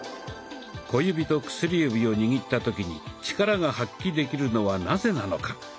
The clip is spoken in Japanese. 小指と薬指を握った時にチカラが発揮できるのはなぜなのか？